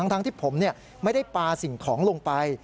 ทั้งที่ผมไม่ได้ปลาสิ่งของลงไป